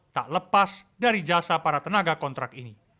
tak lepas dari jasa para tenaga kontrak ini